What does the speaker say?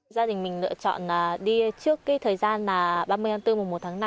gia đình mình lựa chọn đi trước thời gian ba mươi tháng bốn và một tháng năm